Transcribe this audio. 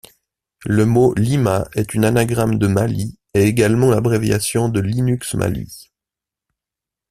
Le mot Lima est une anagramme de Mali et également l’abréviation de Linux Mali.